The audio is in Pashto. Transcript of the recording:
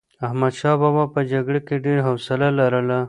احمدشاه بابا په جګړه کې ډېر حوصله لرله.